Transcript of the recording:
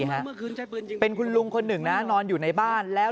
เพราะเมื่อกี้เป็นหนึ่งในคนเจ็บที่ถูกคุณยิงไล่หลัง